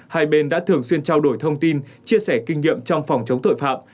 hai bên đã thường xuyên trao đổi thông tin chia sẻ kinh nghiệm trong phòng chống tội phạm